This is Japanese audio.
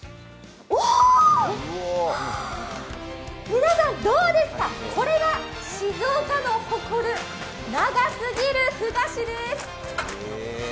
皆さん、どうですか、これが静岡の誇る長すぎるふ菓子です！